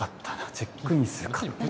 チェックインするか。